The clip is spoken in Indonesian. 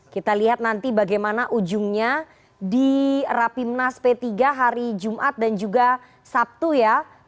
kita lihat nanti bagaimana ujungnya di rapimnas p tiga hari jumat dan juga sabtu ya